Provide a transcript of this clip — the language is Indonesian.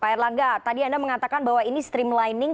pak erlangga tadi anda mengatakan bahwa ini streamlining